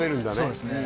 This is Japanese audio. そうですね